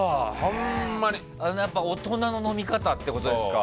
大人の飲み方ってことですか。